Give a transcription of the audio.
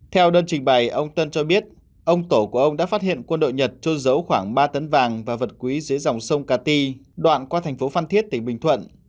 theo đơn trình bày ông tân cho biết ông tổ của ông đã phát hiện quân đội nhật trôn dấu khoảng ba tấn vàng và vật quý dưới dòng sông cà ti đoạn qua tỉnh bình thuận